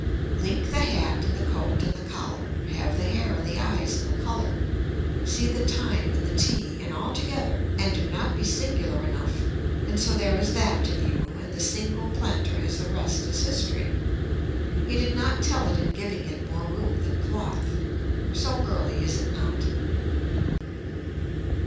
Link the hat and the coat and the collar, have the hair and the eyes and the color, see the time and the tea and altogether and do not be singular enough, and so there is that to view and the single planter has the rest as history. He did not tell it in giving it more room than cloth. So early is it not.